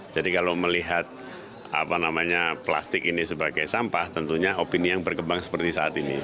jadi kalau melihat plastik ini sebagai sampah tentunya opini yang berkembang seperti saat ini